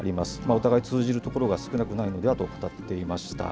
お互い通じるところは少なくないのではと語っていました。